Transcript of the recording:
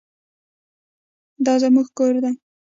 دا زموږ کور دی